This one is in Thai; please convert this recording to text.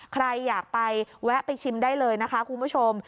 ใครอยากไปแวะไปชิมได้เลยนะคะคุณผู้ชม